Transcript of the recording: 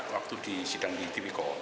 waktu di sidang di tpk